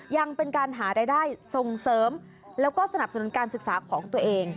ยังเป็นการหารายได้ส่งเสริมแล้วก็สนับสนุนการศึกษาของตัวเอง